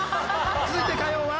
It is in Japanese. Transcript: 続いて火曜は。